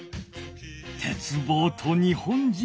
鉄棒と日本人。